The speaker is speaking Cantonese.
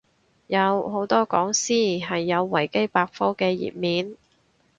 有，好多講師係有維基百科嘅頁面